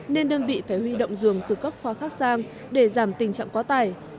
nên đơn vị phải huy động dường từ các khoa khác sang để giảm tình trạng quá tải